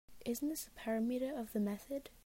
Isn’t this a parameter of the method?